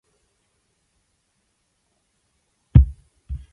Anila Sunder also actively performed for social causes.